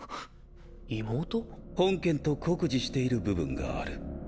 本件と酷似している部分がある。